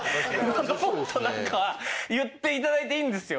もっとなんか言って頂いていいんですよ。